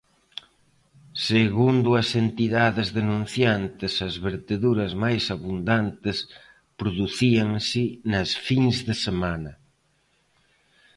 Segundo as entidades denunciantes, as verteduras máis abundantes producíanse nas fins de semana.